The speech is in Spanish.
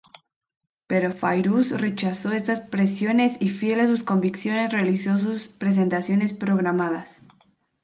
Pero Fairuz rechazo estas presiones y fiel a sus convicciones realizó sus presentaciones programadas.